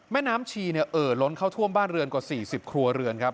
แม่น้ำชีเนี่ยเอ่อล้นเข้าท่วมบ้านเรือนกว่า๔๐ครัวเรือนครับ